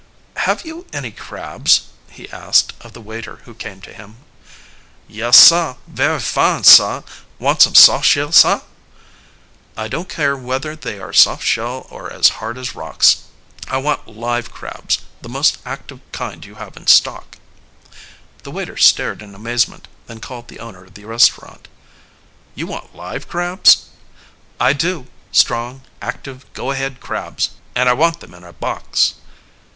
"Have you any crabs?" he asked, of the waiter who came to him. "Yes, sah; very fine, sah. Want some soft shell, sah?" "I don't care whether they are soft shell or as hard as rocks. I want live crabs, the most active kind you have in stock." The waiter stared in amazement, then called the owner of the restaurant. "You want live crabs?" "I do strong, active, go ahead crabs, and I want them in a box."